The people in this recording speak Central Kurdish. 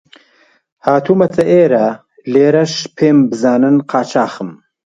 هاتوومە ئێرە، لێرەش پێم بزانن قاچاغم